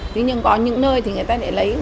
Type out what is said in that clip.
tuy nhiên có những nơi thì người ta lại lấy